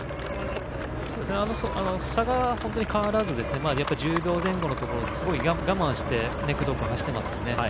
差が変わらず１０秒前後のところですごい我慢して工藤君は走っていますね。